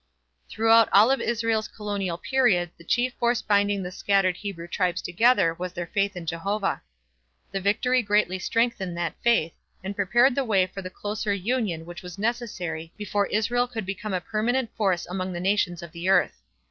Throughout all of Israel's colonial period the chief force binding the scattered Hebrew tribes together was their faith in Jehovah. The victory greatly strengthened that faith and prepared the way for the closer union which was necessary before Israel could become a permanent force among the nations of the earth.